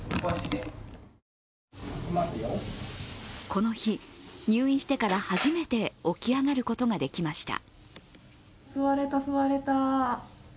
この日、入院してから初めて起き上がることができました。